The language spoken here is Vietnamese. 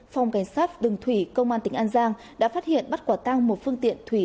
phòng cảnh sát đường thủy công an tỉnh an giang đã phát hiện bắt quả tang một phương tiện thủy